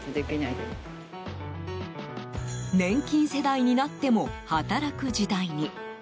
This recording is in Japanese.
年金世代になっても働く時代に。